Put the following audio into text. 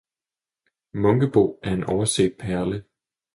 Munkebo er en overset perle